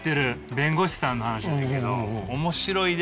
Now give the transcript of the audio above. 弁護士さんの話なんやけど面白いで！